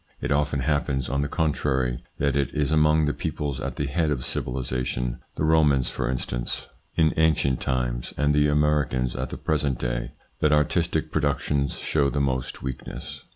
It often happens, on the contrary, that it is among the peoples at the head of civilisation the Romans, for instance, in ITS INFLUENCE ON THEIR EVOLUTION 71 ancient times and the Americans at the present day that artistic productions show the most weakness.